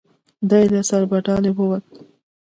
دی له سربدالۍ ووت.